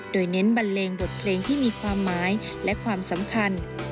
โดยเน้นบันเลงบทเพลงที่มีความหมายและความสำคัญ